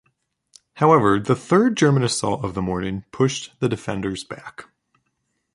However, the third German assault of the morning pushed the defenders back.